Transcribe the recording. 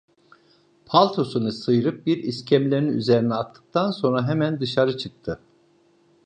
Paltosunu sıyırıp bir iskemlenin üzerine attıktan sonra, hemen dışarı çıktı.